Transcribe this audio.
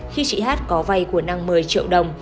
khi chị hát có vay của năng một mươi triệu đồng